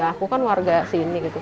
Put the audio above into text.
aku kan warga sini gitu